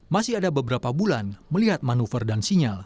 masih ada beberapa bulan melihat manuver dan sinyal